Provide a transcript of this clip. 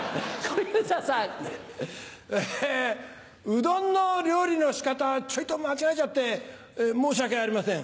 うどんの料理の仕方ちょいと間違えちゃって申し訳ありません。